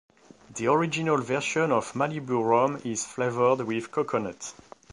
The original version of Malibu rum is flavored with coconut.